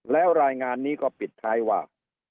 แล้วรายงานนี้ก็ปิดท้ายว่า